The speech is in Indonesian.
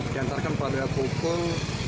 diantarkan pada pukul dua puluh tiga tiga puluh